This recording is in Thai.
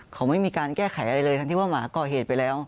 เขาไม่มีการแก้ไขอะไรเลยทั้งที่ว่าหมาก่อเหตุไปแล้ว